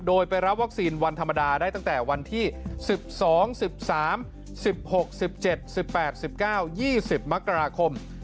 โดยไปรับวัคซีนวันธรรมดาได้ตั้งแต่วันที่๑๒๑๓๑๖๑๗๑๘๑๙๒๐มกราคม